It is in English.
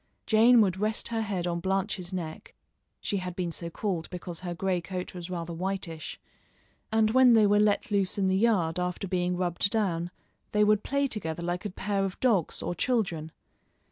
Jane would rest her head on Blanche's neck she had been so called because her gray coat was rather whitish and when they were let loose in the yard after being rubbed down, they would play together like a pair of dogs of children.